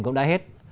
cũng đã hết